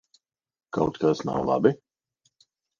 Kaut kas nav labi?